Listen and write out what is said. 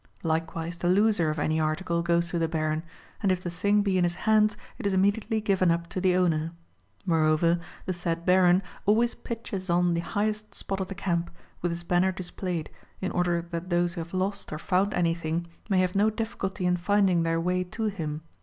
Likewise the loser of any article goes to the Baron, and if the thing be in his hands It is imme diately given up to the owner. Moreover, the said Baron always pitches on the highest spot of the camp, with his banner displayed, in order that those who have lost or found anything may have no difficulty in finding their way to him.